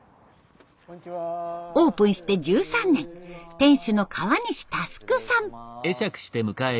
オープンして１３年店主の川西翼さん。